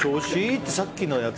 ってさっきのやつ